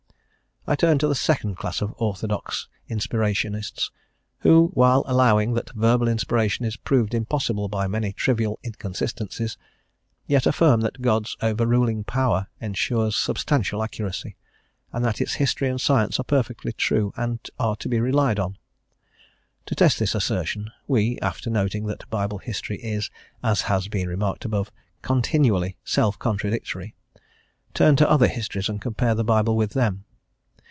I turn to the second class of orthodox inspirationists, who, while allowing that verbal inspiration is proved impossible by many trivial inconsistencies, yet affirm that God's overruling power ensures substantial accuracy, and that its history and science are perfectly true and are to be relied on. To test this assertion, we after noting that Bible history is, as has been remarked above, continually self contradictory turn to other histories and compare the Bible with them.